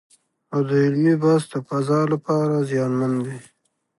او د علمي بحث د فضا لپاره زیانمن دی